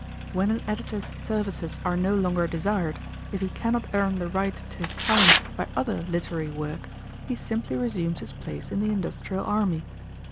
When an editor's services are no longer desired, if he cannot earn the right to his time by other literary work, he simply resumes his place in the industrial army.